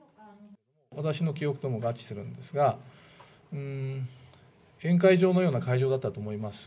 私の記憶とも合致するんですが、宴会場のような会場だったと思います。